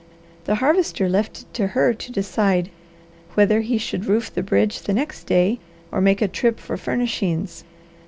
The Harvester left it to her to decide whether he should roof the bridge the next day or make a trip for furnishings.